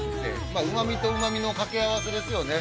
まあうま味とうま味の掛け合わせですよね。